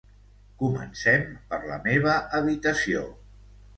Comencem per la meva habitació.